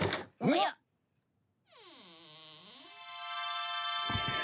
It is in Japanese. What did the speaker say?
うん？